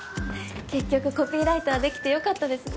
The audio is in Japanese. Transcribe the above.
結局コピーライターできて良かったですね。